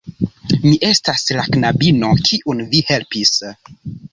Mi estas la knabino kiun vi helpis